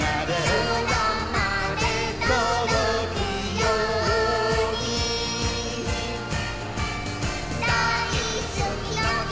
「そらまでとどくように」「だいすきの木」